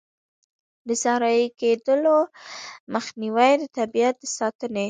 د صحرایې کیدلو مخنیوی، د طبیعیت د ساتنې.